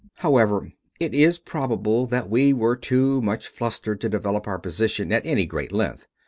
However, it is probable that we were too much flustered to develop our position at any great length.